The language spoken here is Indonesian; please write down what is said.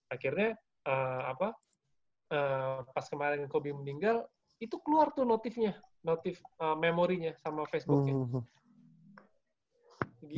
akhirnya apa pas kemarin kobe meninggal itu keluar tuh notifnya notif memorinya sama facebooknya